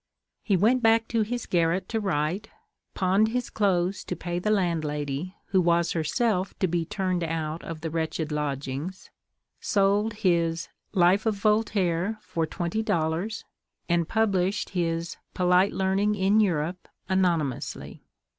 He went back to his garret to write, pawned his clothes to pay the landlady, who was herself to be turned out of the wretched lodgings, sold his "Life of Voltaire" for twenty dollars, and published his "Polite Learning in Europe," anonymously.